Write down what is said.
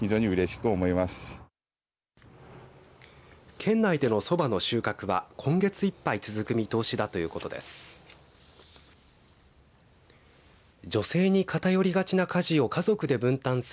県内での、そばの収穫は今月いっぱい続く見通しだということです。